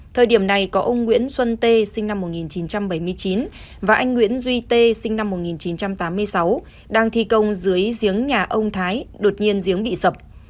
thời điểm này có ông nguyễn xuân tê sinh năm một nghìn chín trăm bảy mươi chín và anh nguyễn duy tê sinh năm một nghìn chín trăm tám mươi sáu đang thi công dưới giếng nhà ông thái đột nhiên giếng bị sập